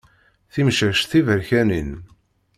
Timcac tiberkanin.